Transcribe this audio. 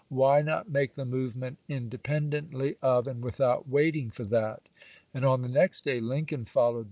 Why not make the to^Bueur movement independently of and without waiting ^w. 'r. for that f " And on the next day Lincoln followed p.'